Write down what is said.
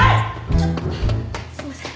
ちょっとすいません